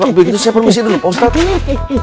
kalau begitu saya permisi dulu pak ustadz